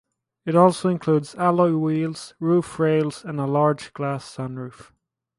It also included alloy wheels, roof rails, and a large glass sunroof.